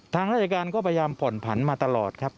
ทางราชการก็พยายามผ่อนผันมาตลอดครับ